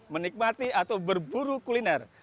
menikmati atau berburu kuliner